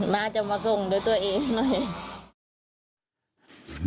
น่าจะมาส่งด้วยตัวเองหน่อย